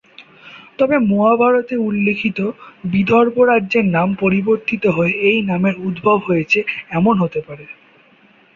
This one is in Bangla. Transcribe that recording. তবে মহাভারতে উল্লিখিত বিদর্ভ রাজ্যের নাম পরিবর্তিত হয়ে এই নামের উদ্ভব হয়েছে এমন হতে পারে।